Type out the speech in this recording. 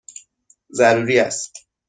ضروری است!